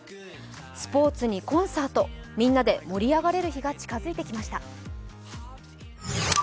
スポ−ツにコンサート、みんなで盛り上がれる日が近づいてきました。